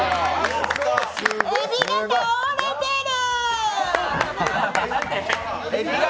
エビが倒れてる！